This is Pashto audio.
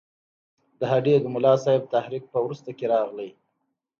د هډې د ملاصاحب تحریک په وروسته کې راغی.